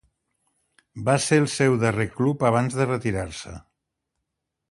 Va ser el seu darrer club abans de retirar-se.